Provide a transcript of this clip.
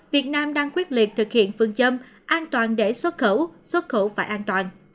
việt nam đang quyết liệt thực hiện phương châm an toàn để xuất khẩu xuất khẩu phải an toàn